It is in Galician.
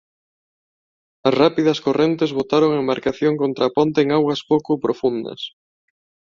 As rápidas correntes botaron a embarcación contra a ponte en augas pouco profundas.